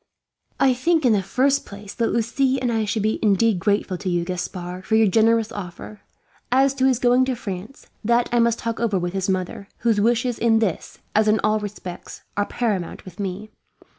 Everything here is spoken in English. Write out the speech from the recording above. "I think, in the first place, that Lucie and I should be indeed grateful to you, Gaspard, for your generous offer. As to his going to France, that I must talk over with his mother; whose wishes in this, as in all respects, are paramount with me.